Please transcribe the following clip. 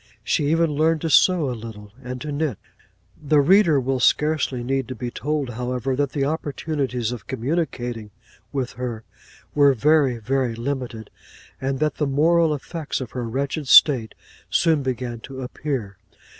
She even learned to sew a little, and to knit.' The reader will scarcely need to be told, however, that the opportunities of communicating with her, were very, very limited; and that the moral effects of her wretched state soon began to appear.